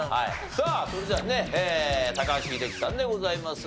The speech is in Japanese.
さあそれではね高橋英樹さんでございますが。